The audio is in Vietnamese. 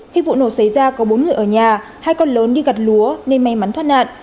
khi vụ nổ xảy ra có bốn người ở nhà hai con lớn đi gặt lúa nên may mắn thoát nạn